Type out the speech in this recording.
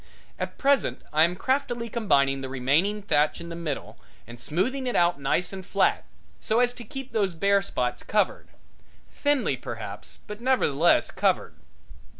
At present I am craftily combing the remaining thatch in the middle and smoothing it out nice and flat, so as to keep those bare spots covered thinly perhaps, but nevertheless covered.